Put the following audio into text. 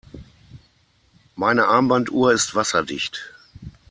Meine Armbanduhr ist wasserdicht.